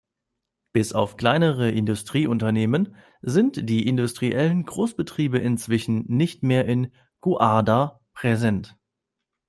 Bis auf kleinere Industrieunternehmen sind die industriellen Großbetriebe inzwischen nicht mehr in Guarda präsent.